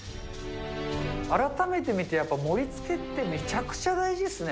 改めて見てやっぱ盛りつけって、めちゃくちゃ大事っすね。